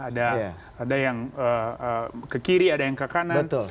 ada yang ke kiri ada yang ke kanan